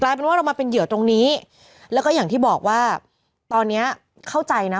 เป็นว่าเรามาเป็นเหยื่อตรงนี้แล้วก็อย่างที่บอกว่าตอนเนี้ยเข้าใจนะ